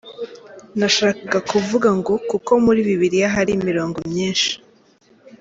Nashakaga kuvuga ngo kuko muri "Bibilya" hari imirongo myinshi.